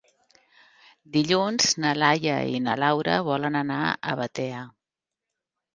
Dilluns na Laia i na Laura volen anar a Batea.